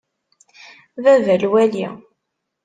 Baba lwali.